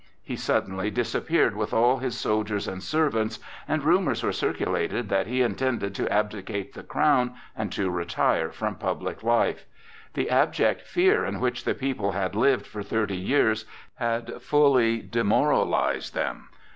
He suddenly disappeared with all his soldiers and servants, and rumors were circulated that he intended to abdicate the crown and to retire from public life. The abject fear in which the people had lived for thirty years had fully demoralized them.